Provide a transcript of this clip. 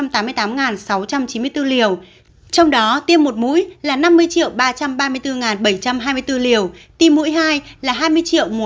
trong đó tiêm một mũi là năm mươi ba trăm ba mươi bốn bảy trăm hai mươi bốn liều tiêm mũi hai là hai mươi một trăm năm mươi ba chín trăm bảy mươi liều